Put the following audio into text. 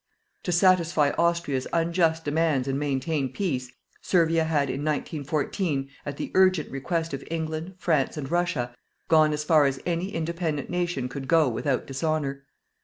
To satisfy Austria's unjust demands and maintain peace, Servia had, in 1914, at the urgent request of England, France and Russia, gone as far as any independent nation could go without dishonour.